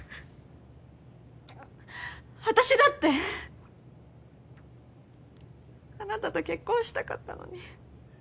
あたしだってあなたと結婚したかったのに。